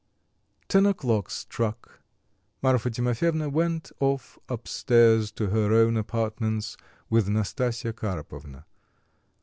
Ten o'clock struck. Marfa Timofyevna went off up stairs to her own apartments with Nastasya Karpovna.